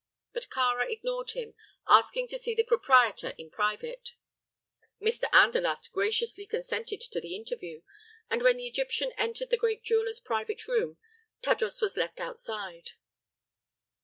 But Kāra ignored him, asking to see the proprietor in private. Mr. Andalaft graciously consented to the interview, and when the Egyptian entered the great jeweler's private room Tadros was left outside.